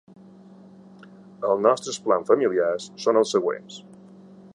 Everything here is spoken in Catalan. Els nostres plans familiars són els següents:.